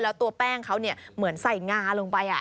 แล้วตัวแป้งเขาเนี่ยเหมือนใส่งาลงไปอ่ะ